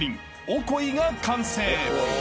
おこいが完成］